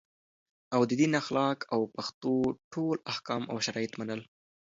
او د دین اخلاق او پښتو ټول احکام او شرایط منل